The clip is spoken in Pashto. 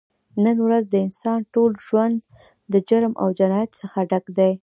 نن ورځ د انسان ټول ژون د جرم او جنایت څخه ډک دی